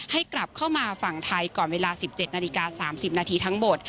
ให้กลับเข้ามาฝั่งไทยก่อนเวลา๑๗นาฬิกา๓๐นาทีทั้งหมด